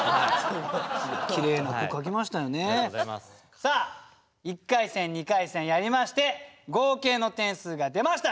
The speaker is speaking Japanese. さあ一回戦二回戦やりまして合計の点数が出ました。